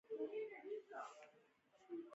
جانداد د زړورو خلکو په لړ کې راځي.